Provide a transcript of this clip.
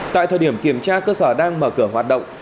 tại thời điểm kiểm tra cơ sở đang mở cửa hoạt động